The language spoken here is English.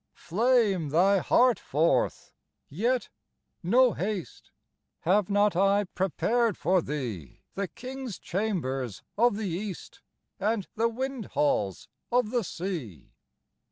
"Flame thy heart forth! Yet, no haste: Have not I prepared for thee The king's chambers of the East And the wind halls of the sea?